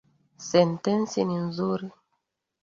Sentensi ni nzuri.